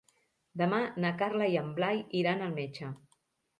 Demà na Carla i en Blai iran al metge.